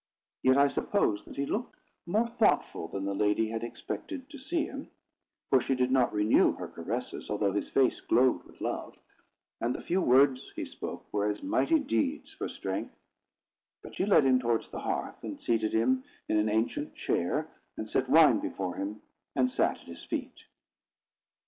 Yet I suppose that he looked more thoughtful than the lady had expected to see him, for she did not renew her caresses, although his face glowed with love, and the few words he spoke were as mighty deeds for strength; but she led him towards the hearth, and seated him in an ancient chair, and set wine before him, and sat at his feet.